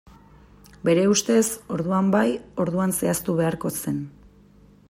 Bere ustez, orduan bai, orduan zehaztu beharko zen.